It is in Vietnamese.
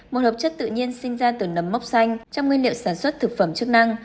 một hợp chất tự nhiên sinh ra từ nấm mốc xanh trong nguyên liệu sản xuất thực phẩm chức năng